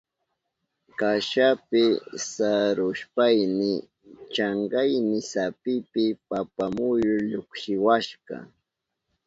Kashapi sarushpayni chankayni sapipi papa muyuka llukshiwashka.